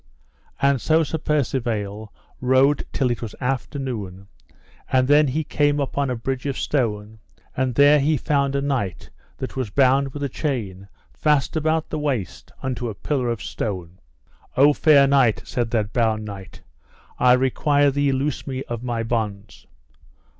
And so Sir Percivale rode till it was after noon, and then he came upon a bridge of stone, and there he found a knight that was bound with a chain fast about the waist unto a pillar of stone. O fair knight, said that bound knight, I require thee loose me of my bonds.